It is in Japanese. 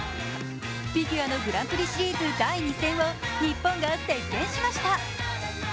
フィギュアのグランプリシリーズ第２戦を日本が席巻しました。